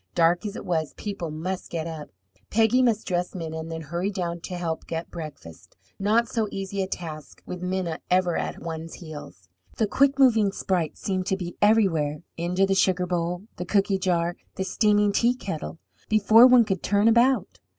Dark as it was, people must get up. Peggy must dress Minna and then hurry down to help get breakfast not so easy a task with Minna ever at one's heels. The quick moving sprite seemed to be everywhere into the sugar bowl, the cooky jar, the steaming teakettle before one could turn about.